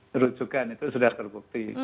terujukan itu sudah terbukti